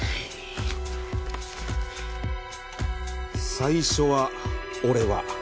最初は「俺は」